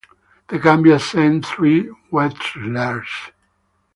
The Gambia sent three wrestlers.